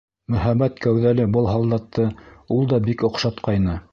Мөһабәт кәүҙәле был һалдатты ул да бик оҡшатҡайны.